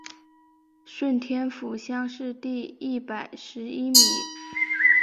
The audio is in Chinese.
顺天府乡试第一百十一名。